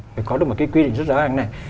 phải có được một cái quy định rất rõ ràng này